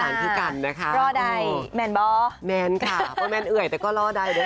รอก่อนครับรอก่อน